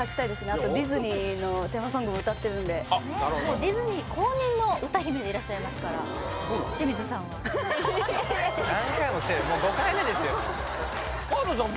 あとディズニーのテーマソングも歌ってるんであっなるほどでいらっしゃいますから清水さんは何回も来てるもう５回目ですよ川田さん